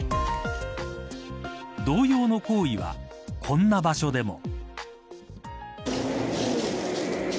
同様の行為はこんな場所でも。